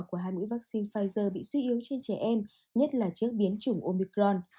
của hai mũi vaccine pfizer bị suy yếu trên trẻ em nhất là trước biến chủng omicron